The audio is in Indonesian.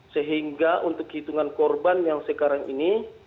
sehingga untuk hitungan korban yang sekarang ini